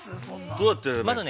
◆どうやってやればいいですか？